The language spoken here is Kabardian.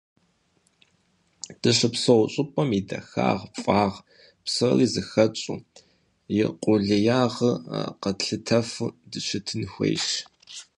Дыщыпсэу щӏыпӏэм и дахагъ, фӏагъ псори зыхэтщӏэу, и къулеягъыр къэтлъытэфу дыщытын хуейщ.